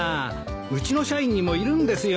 うちの社員にもいるんですよ